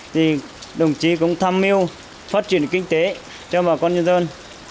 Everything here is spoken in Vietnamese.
thì đồng chí cũng tham mưu phát triển kinh tế cho bà con nhân dân